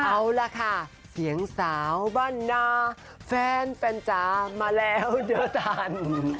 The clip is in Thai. เอาล่ะค่ะเสียงสาวบ้านนาแฟนจ๋ามาแล้วเดี๋ยวทัน